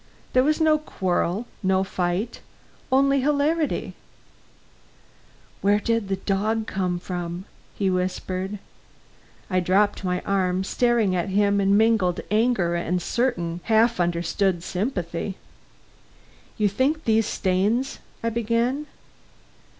There was no quarrel, no fight; only hilarity " "Where did the dog come from?" he whispered. I dropped my arm, staring at him in mingled anger and a certain half understood sympathy. "You think these stains " I began.